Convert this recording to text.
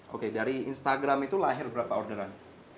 oke dari instagram itu lahir berapa orderan